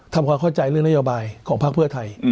ทำความเข้าใจเรื่องนโยบายของพักเพื่อไทย